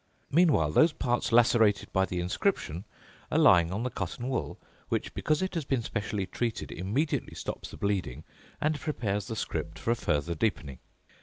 Meanwhile those parts lacerated by the inscription are lying on the cotton wool which, because it has been specially treated, immediately stops the bleeding and prepares the script for a further deepening.